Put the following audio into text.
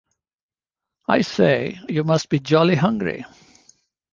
I say, you must be jolly hungry.